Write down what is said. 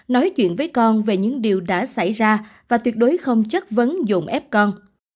nói chuyện với con về những điều đã xảy ra và tuyệt đối không chất vấn dồn ép con